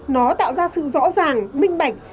nó tạo ra sự rõ ràng minh bạch